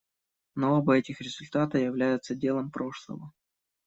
Но оба этих результата являются делом прошлого.